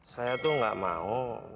saya tuh gak mau